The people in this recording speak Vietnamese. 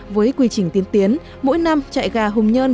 với quy trình tiến tiến mỗi năm trại gà hùng nhơn